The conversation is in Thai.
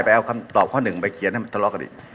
เอาคำตอบข้อหนึ่งไปเขียนให้มันทะเลาะกันอีก